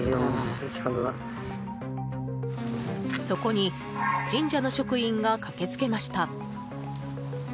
そこに神社の職員が駆けつけました。